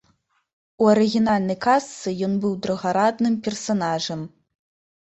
У арыгінальнай казцы ён быў другарадным персанажам.